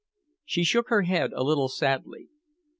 She shook her head a little sadly.